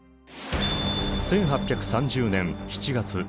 １８３０年７月。